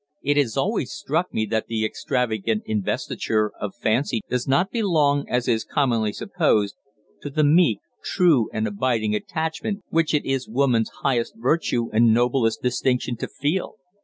It has always struck me that the extravagant investiture of fancy does not belong, as is commonly supposed, to the meek, true and abiding attachment which it is woman's highest virtue and noblest distinction to feel.